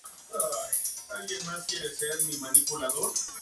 A los ocho meses de edad fue trasladado a Madrid junto con su familia.